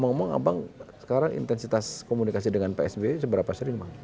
ngomong abang sekarang intensitas komunikasi dengan pak sby seberapa sering bang